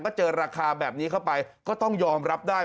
ก็เจอราคาแบบนี้เข้าไปก็ต้องยอมรับได้